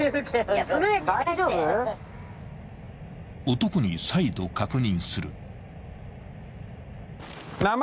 ［男に再度確認する］